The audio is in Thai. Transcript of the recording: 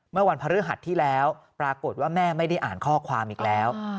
เมื่อวันพระฤหัสที่แล้วปรากฏว่าแม่ไม่ได้อ่านข้อความอีกแล้ว